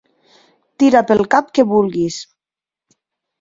Tira pel cap que vulguis.